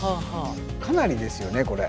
かなりですよねこれ。